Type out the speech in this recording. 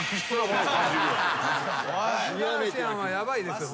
バスガーシアンはヤバいですよ。